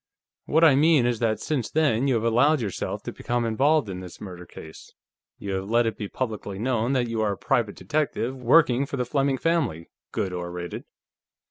"What I mean is that since then you have allowed yourself to become involved in this murder case. You have let it be publicly known that you are a private detective, working for the Fleming family," Goode orated.